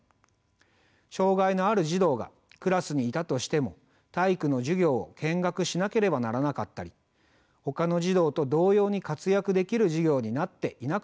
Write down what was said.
障害のある児童がクラスにいたとしても体育の授業を見学しなければならなかったりほかの児童と同様に活躍できる授業になっていなかったりしてきました。